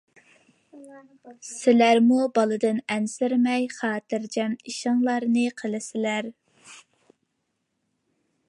سىلەرمۇ بالىدىن ئەنسىرىمەي خاتىرجەم ئىشىڭلارنى قىلىسىلەر!